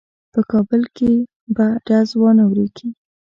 په کابل کې به ډز وانه وریږي.